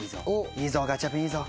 いいぞガチャピンいいぞ。